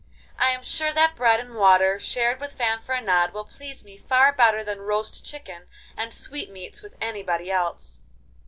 I am sure that bread and water shared with Fanfaronade will please me far better than roast chicken and sweetmeats with anybody else.